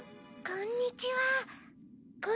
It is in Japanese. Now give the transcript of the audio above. こんにちは。